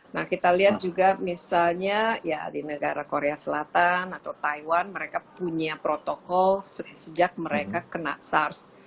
nah kita lihat juga misalnya ya di negara korea selatan atau taiwan mereka punya protokol sejak mereka kena sars